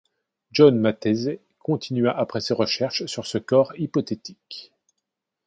John Matese continua après ses recherches sur ce corps hypothétique.